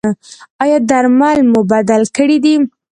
ایا درمل مو بدل کړي دي؟